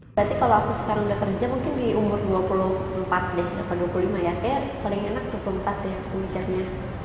berarti kalo aku sekarang udah kerja mungkin diumur dua puluh empat deh atau dua puluh lima ya kayaknya paling enak dua puluh empat deh mikirnya